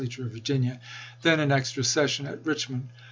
ture of Virginia, then in extra session at Richmond.